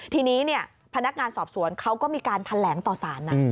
ทีนี้พนักงานสอบสวนเขาก็มีการแถลงต่อสารนะ